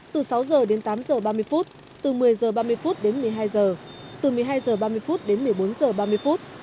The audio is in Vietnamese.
từ sáu giờ đến tám giờ ba mươi phút từ một mươi giờ ba mươi phút đến một mươi hai giờ từ một mươi hai giờ ba mươi phút đến một mươi bốn giờ ba mươi phút